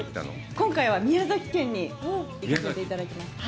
今回は宮崎県に行かせていただきました。